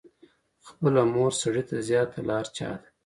خپله مور سړي ته زیاته له هر چا ده.